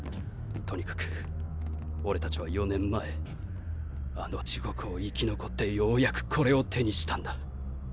とにかく俺たちは４年前あの地獄を生き残ってようやくこれを手にしたんだ。